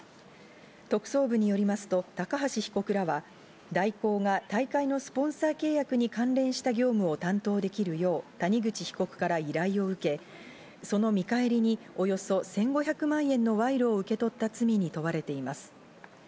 特捜部によりますと、高橋被告らは大広が大会のスポンサー契約に関連した業務を担当できるよう谷口被告から依頼を受け、その見返りにおよそ１５００万円の賄賂を受け取った罪に問われています。